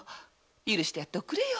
許してやっておくれよ。